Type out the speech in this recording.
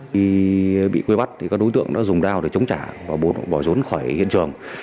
khi bị quê bắt các đối tượng đã dùng đao để chống trả và bỏ rốn khỏi hiện trường